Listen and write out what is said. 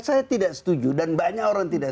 saya tidak setuju dan banyak orang tidak